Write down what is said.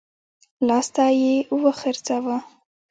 لاستی يې وڅرخوه.